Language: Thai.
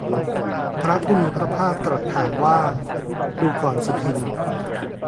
พระผู้มีพระภาคตรัสถามว่า ดูกรสุทินน์